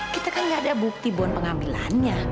kita kan gak ada bukti buat pengambilannya